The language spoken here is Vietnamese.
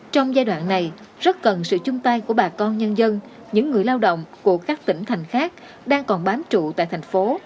trong giai đoạn này rất cần sự chung tay của bà con nhân dân những người lao động của các tỉnh thành khác đang còn bám trụ tại thành phố